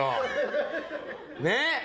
ねえ。